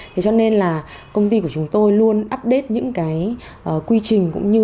thế cho nên là công ty của chúng tôi luôn update những cái quy trình